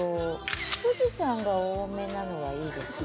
富士山が多めなのはいいですね。